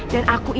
dan aku ini